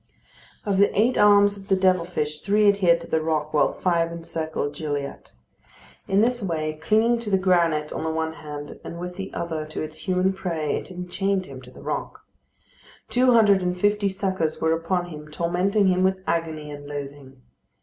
Of the eight arms of the devil fish three adhered to the rock, while five encircled Gilliatt. In this way, clinging to the granite on the one hand, and with the other to its human prey, it enchained him to the rock. Two hundred and fifty suckers were upon him, tormenting him with agony and loathing.